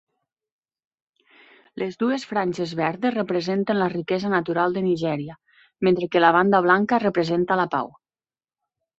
Les dues franges verdes representen la riquesa natural de Nigèria, mentre que la banda blanca representa la pau.